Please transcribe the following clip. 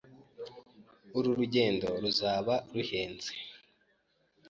Uru rugendo ruzaba ruhenze.